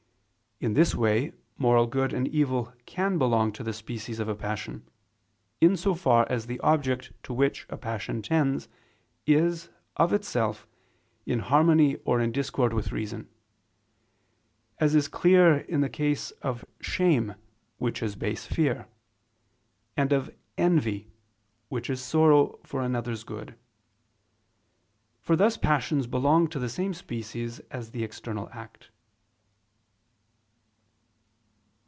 In this way moral good and evil can belong to the species of a passion, in so far as the object to which a passion tends, is, of itself, in harmony or in discord with reason: as is clear in the case of shame which is base fear; and of envy which is sorrow for another's good: for thus passions belong to the same species as the external act.